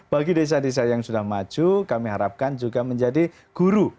bagi desa desa yang sudah maju kami harapkan juga menjadi guru